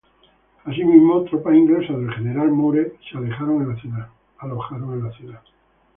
Asimismo, tropas inglesas del general Moore se alojaron en la ciudad.